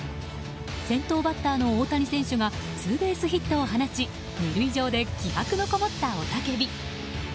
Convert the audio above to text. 先頭バッターの大谷選手がツーベースヒットを放ち２塁上で気迫のこもった雄叫び。